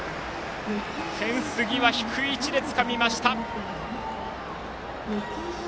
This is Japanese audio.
フェンス際低い位置でつかみました。